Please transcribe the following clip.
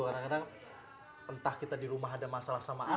kadang kadang entah kita di rumah ada masalah sama apa